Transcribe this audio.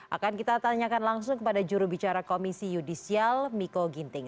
akan kita tanyakan langsung kepada jurubicara komisi yudisial miko ginting